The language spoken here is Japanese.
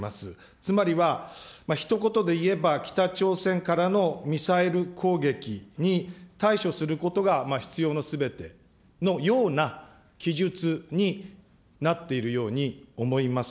つまりは、ひと言で言えば北朝鮮からのミサイル攻撃に対処することが必要のすべてのような記述になっているように思います。